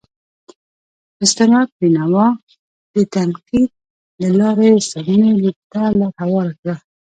استناد بینوا د تنقید له لارې سمونې ته لار هواره کړه.